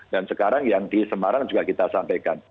dan sekarang yang di semarang juga kita sampaikan